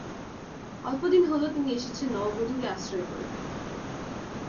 অল্পদিন হল তিনি এসেছেন নববধূকে আশ্রয় করে।